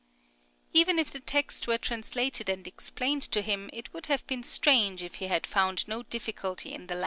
Even if the text were translated and explained to him, it would have been strange if he had found no difficulty in the {STUDY IN SALZBURG.